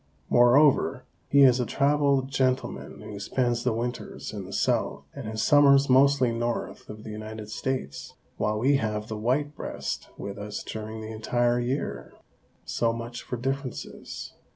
Moreover, he is a traveled gentleman who spends the winters in the South and his summers mostly north of the United States, while we have the white breast with us during the entire year. So much for differences.